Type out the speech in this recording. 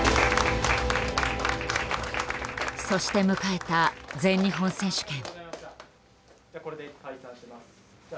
そして迎えた全日本選手権。